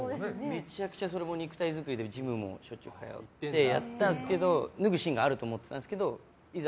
めちゃくちゃ肉体作りでジムにもしょっちゅう通ってやったんですけど脱ぐシーンがあると思っていたんですけどいざ